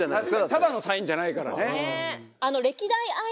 ただのサインじゃないからね。